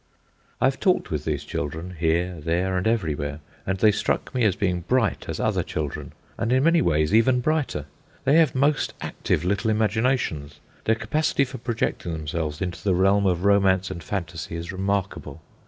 I have talked with these children, here, there, and everywhere, and they struck me as being bright as other children, and in many ways even brighter. They have most active little imaginations. Their capacity for projecting themselves into the realm of romance and fantasy is remarkable.